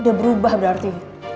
udah berubah berarti